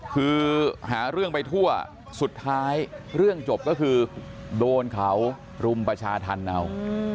คือหาเรื่องไปทั่วสุดท้ายเรื่องจบก็คือโดนเขารุมประชาธรรมเอา